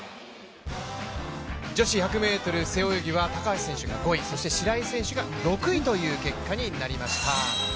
女子１００ｍ背泳ぎは高橋選手が５位そして白井選手が６位という結果になりました。